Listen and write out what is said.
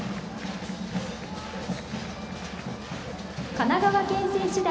神奈川県選手団。